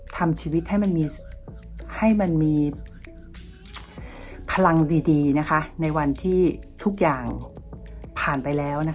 ทำชีวิตให้มันมีพลังดีในวันที่ทุกอย่างผ่านไปแล้ว